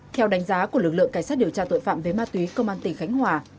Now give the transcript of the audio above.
theo đánh giá của lực lượng cảnh sát điều tra tội phạm về ma túy công an tỉnh khánh hòa